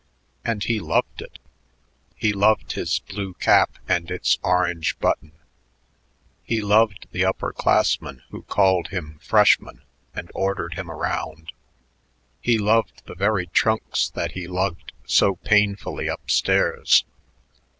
And he loved it. He loved his blue cap and its orange button; he loved the upper classmen who called him freshman and ordered him around; he loved the very trunks that he lugged so painfully up stairs.